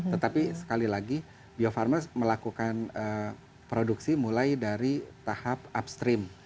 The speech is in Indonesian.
tetapi sekali lagi bio farma melakukan produksi mulai dari tahap upstream